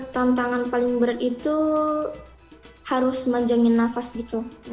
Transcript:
tantangan paling berat itu harus majangin nafas gitu